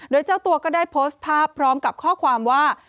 โดยเจ้าตัวก็ได้โพสต์ภาพพร้อมกับข้อความว่า